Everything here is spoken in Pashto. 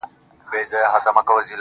زه به لار د ښار له خلکو کړمه ورکه؛